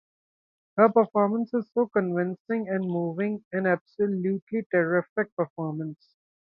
Her performance is so convincing and moving, an absolutely terrific performance.